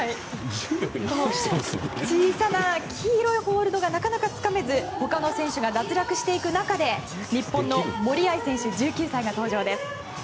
小さな黄色いホールドがなかなかつかめず他の選手が脱落していく中で日本の森秋彩選手、１９歳が登場です。